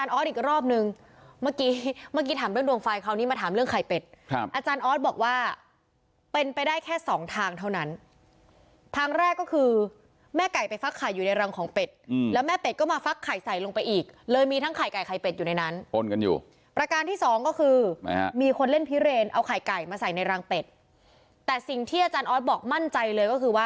อีกรอบนึงเมื่อกี้เมื่อกี้ถามเรื่องดวงไฟคราวนี้มาถามเรื่องไข่เป็ดครับอาจารย์ออสบอกว่าเป็นไปได้แค่สองทางเท่านั้นทางแรกก็คือแม่ไก่ไปฟักไข่อยู่ในรังของเป็ดแล้วแม่เป็ดก็มาฟักไข่ใส่ลงไปอีกเลยมีทั้งไข่ไก่ไข่เป็ดอยู่ในนั้นป้นกันอยู่ประการที่สองก็คือมีคนเล่นพิเรนเอาไข่ไก่มาใส่ในรังเป็ดแต่สิ่งที่อาจารย์ออสบอกมั่นใจเลยก็คือว